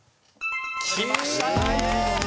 きました！